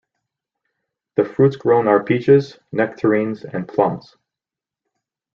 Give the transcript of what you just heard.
The fruits grown are peaches, nectarines and plums.